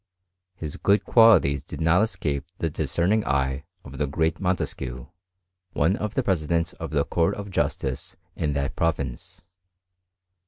His good qualities did not escape the discerning eye of the great Montes quieu, one of the presidents of the court of justice in that province.